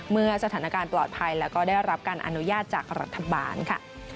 เมื่อสถานการณ์ปลอดภัยแล้วก็ได้รับการอนุญาตจากรัฐบาลค่ะ